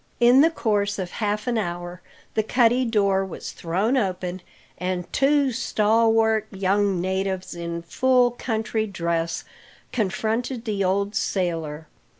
In the course of half an hour the cuddy door was thrown open, and two stalwart young natives, in full country dress, confronted the old sailor.